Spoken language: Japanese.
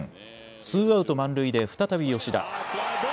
ツーアウト満塁で再び吉田。